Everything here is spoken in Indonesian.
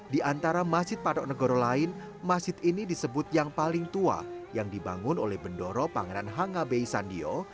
di antara masjid patok negoro lain masjid ini disebut yang paling tua yang dibangun oleh bendoro pangeran hanga bey sandio